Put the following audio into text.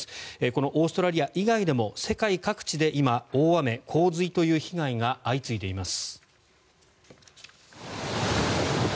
このオーストラリア以外でも世界各地で今、大雨・洪水という被害が相次いでいます。